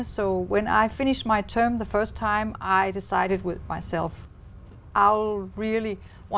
tôi thích nghe những câu chuyện đó